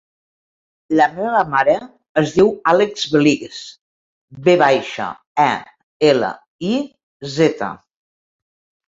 La meva mare es diu Àlex Veliz: ve baixa, e, ela, i, zeta.